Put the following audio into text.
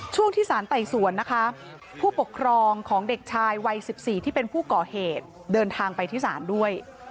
ช่วงที่สารไต่สวนนะคะผู้ปกครองของเด็กชายวัย๑๔ที่เป็นผู้ก่อเหตุเดินทางไปที่ศาลด้วย